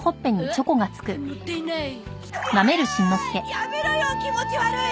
やめろよ気持ち悪い！